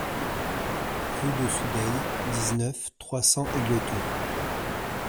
Rue de Soudeilles, dix-neuf, trois cents Égletons